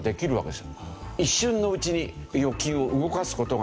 一瞬のうちに預金を動かす事ができる。